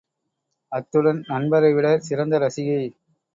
அத்துடன் நண்பரைவிடச் சிறந்த ரசிகை.